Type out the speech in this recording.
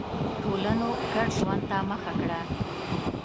ټولنو ګډ ژوند ته مخه کړه.